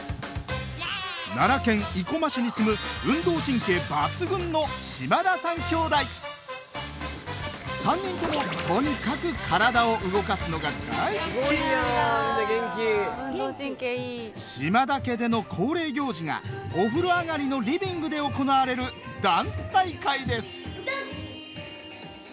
奈良県生駒市に住む運動神経抜群の３人ともとにかく嶋田家での恒例行事がお風呂上がりのリビングで行われるダンス大会です！